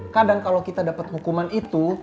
kadang kalo kita dapet hukuman itu